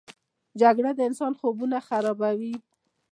جګړه د انسان خوبونه خرابوي